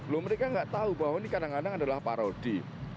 loh mereka nggak tahu bahwa ini kadang kadang adalah parodi